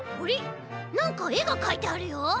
なんかえがかいてあるよ。